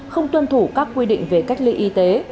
không tuân thủ các quy định về cách ly y tế